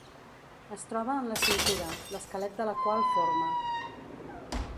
Es troba en la cintura, l'esquelet de la qual forma.